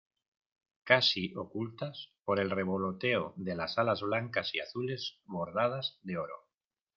casi ocultas por el revoloteo de las alas blancas y azules bordadas de oro.